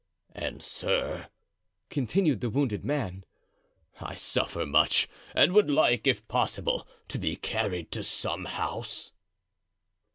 "And, sir," continued the wounded man, "I suffer much and would like, if possible, to be carried to some house."